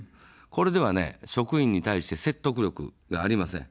これでは職員に対して説得力がありません。